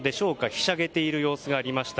ひしゃげている様子がありました。